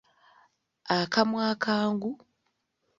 Akamwa akangu,……..